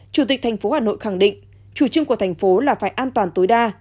chủ tịch tp hà nội khẳng định chủ trương của thành phố là phải an toàn tối đa